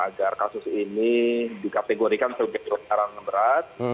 agar kasus ini dikategorikan sebagai pelanggaran berat